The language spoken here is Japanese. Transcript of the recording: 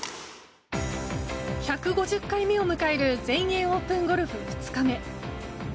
１５０回目を迎える全英オープンゴルフ２日目。